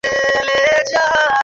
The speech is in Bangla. তুমি কিজিকে ভালোবাসো, তাইনা?